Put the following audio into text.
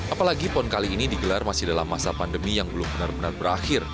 apalagi pon kali ini digelar masih dalam masa pandemi yang belum benar benar berakhir